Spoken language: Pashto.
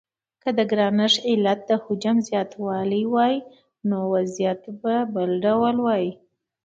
که د ګرانښت علت د حجم زیاتوالی وای نو وضعیت به بل ډول و.